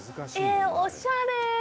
おしゃれ。